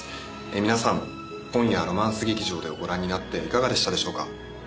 皆さん『今夜、ロマンス劇場で』をご覧になっていかがでしたでしょうか。